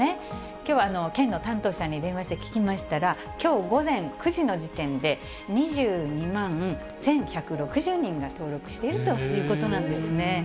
きょう県の担当者に電話して聞きましたら、きょう午前９時の時点で、２２万１１６０人が登録しているということなんですね。